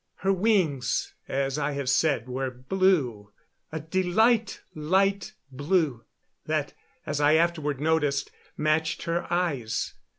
Her wings, as I have said, were blue a delight light blue that, as I afterward noticed, matched her eyes.